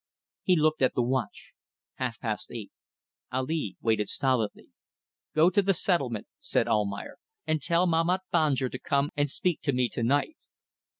He looked at the watch. Half past eight. Ali waited stolidly. "Go to the settlement," said Almayer, "and tell Mahmat Banjer to come and speak to me to night."